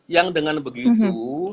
yang dengan begitu